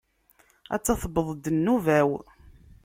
Atta tewweḍ-d nnuba-w.